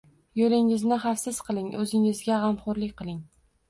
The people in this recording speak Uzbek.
Yo'lingizni xavfsiz qiling, o'zingizga g'amxo'rlik qiling!